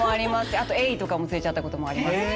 あとエイとかも釣れちゃったこともありますし。